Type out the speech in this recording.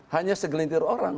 hanya segelintir orang